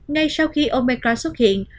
ngay sau khi omicron xuất hiện